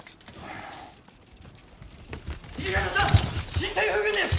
新政府軍です！